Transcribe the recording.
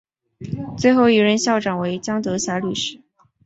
最后一任校长为江德霞女士。